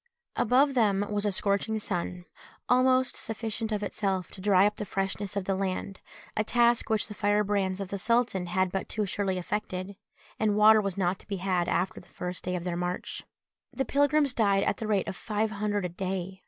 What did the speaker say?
Above them was a scorching sun, almost sufficient of itself to dry up the freshness of the land, a task which the firebrands of the sultan had but too surely effected, and water was not to be had after the first day of their march. The pilgrims died at the rate of five hundred a day.